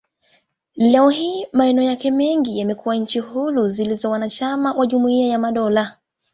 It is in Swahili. Leo hii, maeneo yake mengi yamekuwa nchi huru zilizo wanachama wa Jumuiya ya Madola.